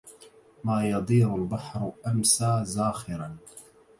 ما يضير البحر أمسى زاخرا